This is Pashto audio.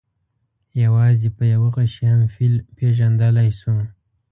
یوازې په یوه غشي هم فیل پېژندلی شو.